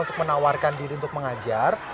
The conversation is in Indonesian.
untuk menawarkan diri untuk mengajar